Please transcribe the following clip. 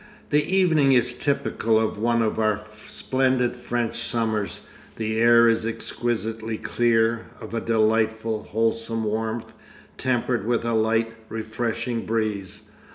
The evening is typical of one of our splendid French summers; the air is exquisitely clear, of a delightful, wholesome warmth, tempered with a light, refreshing breeze.